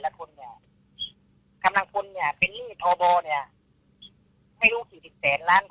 สรุปไปสวัสดิกันกันต่อบอเรี้ยก็ได้พอมันก็กันมาก